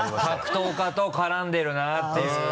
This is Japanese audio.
格闘家と絡んでるなっていう。